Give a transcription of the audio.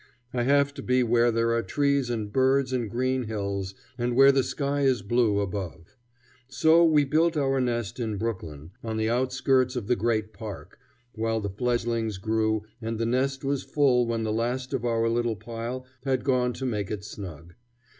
I have to be where there are trees and birds and green hills, and where the sky is blue above. So we built our nest in Brooklyn, on the outskirts of the great park, while the fledglings grew, and the nest was full when the last of our little pile had gone to make it snug.